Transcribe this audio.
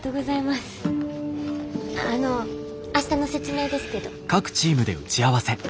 あの明日の説明ですけど。